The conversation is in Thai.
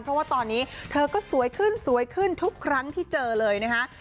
เพราะว่าตอนนี้เธอก็สวยขึ้นสวยขึ้นทุกครั้งที่เจอเลยนะคะ